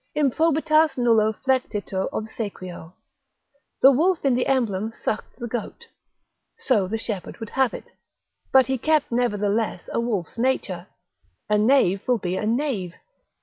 Improbitas nullo flectitur obsequio. The wolf in the emblem sucked the goat (so the shepherd would have it), but he kept nevertheless a wolf's nature; a knave will be a knave.